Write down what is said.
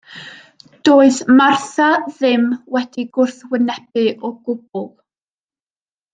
Doedd Martha ddim wedi gwrthwynebu o gwbl.